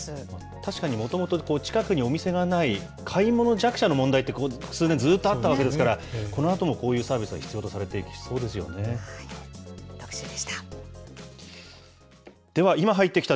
確かにもともと近くにお店がない買い物弱者の問題って、ここ数年ずっとあったわけですから、このあともこういうサービスは必特集でした。